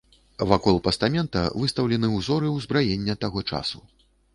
Вакол пастамента выстаўлены ўзоры ўзбраення таго часу.